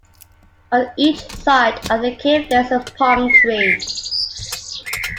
On each side of the cave there is a palm tree.